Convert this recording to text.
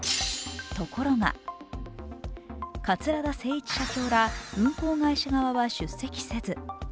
ところが桂田精一社長ら、運航会社側は出席せず。